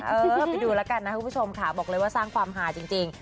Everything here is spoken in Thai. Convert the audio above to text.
เชื่อไปดูแล้วกันนะคุณผู้ชมค่ะบอกเลยว่าสร้างความหาจริง